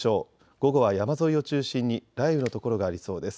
午後は山沿いを中心に雷雨の所がありそうです。